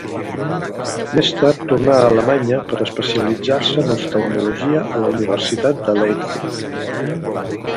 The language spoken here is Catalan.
Més tard tornà a Alemanya per especialitzar-se en oftalmologia a la Universitat de Leipzig.